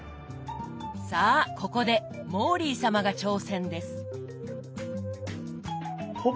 さあここでモーリー様が挑戦です。